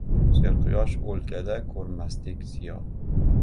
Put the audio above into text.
…Serquyosh o‘lkada ko‘rmasdik ziyo